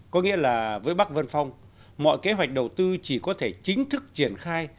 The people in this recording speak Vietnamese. có nghĩa là với bắc vân phong mọi kế hoạch đầu tư chỉ có thể chính thức triển khai